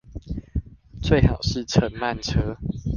最好是乘慢車